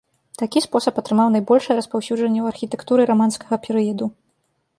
Такі спосаб атрымаў найбольшае распаўсюджанне ў архітэктуры раманскага перыяду.